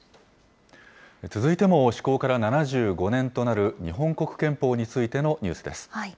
続いても施行から７５年となる、日本国憲法についてのニュースです。